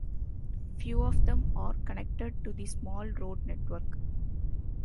Few of them are connected to the small road network.